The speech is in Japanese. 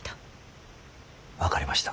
分かりました。